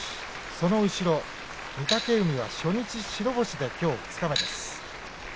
その後ろ御嶽海は初日白星できょう二日目です。